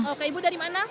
oke ibu dari mana